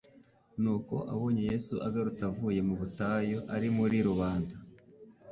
Nuko abonye Yesu agarutse avuye mu butayu ari muri rubanda